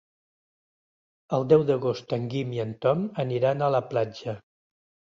El deu d'agost en Guim i en Tom aniran a la platja.